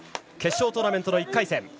決勝トーナメントの１回戦。